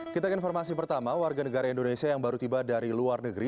kita ke informasi pertama warga negara indonesia yang baru tiba dari luar negeri